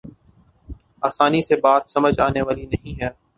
آسانی سے بات سمجھ آنے والی نہیں ہے۔